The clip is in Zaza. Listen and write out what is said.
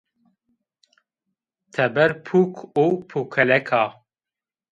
Teber puk û pukelek a